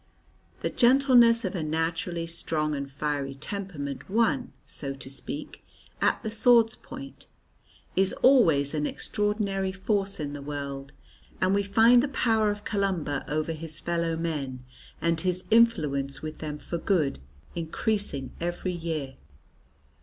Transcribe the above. The gentleness of a naturally strong and fiery temperament won so to speak at the sword's point, is always an extraordinary force in the world, and we find the power of Columba over his fellow men and his influence with them for good increasing every year.